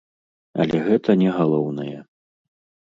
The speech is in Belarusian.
Але гэта не галоўнае.